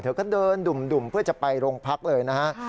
เธอก็เดินดุ่มเพื่อจะไปโรงพักเลยนะฮะ